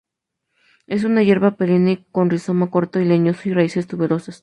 Es una hierba perenne con rizoma corto y leñoso y raíces tuberosas.